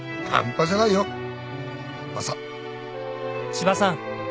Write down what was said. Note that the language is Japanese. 「千葉さん